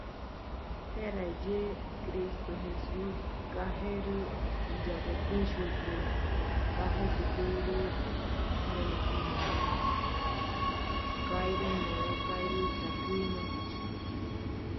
Porque en Cristo Jesús ni la circuncisión vale algo, ni la incircuncisión;